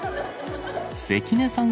関根さん